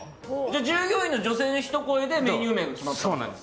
従業員の女性のひと声でメニュー名が決まったんですか？